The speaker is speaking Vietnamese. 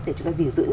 để chúng ta gìn dưỡng